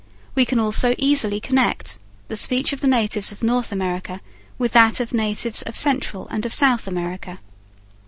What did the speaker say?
We can also easily connect the speech of the natives of North America with that of natives of Central and of South America.